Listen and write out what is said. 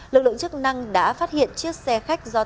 lực lượng chức năng đã phát hiện chiếc xe khách do